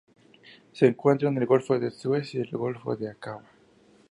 Se encuentra en el Golfo de Suez y el Golfo de Aqaba.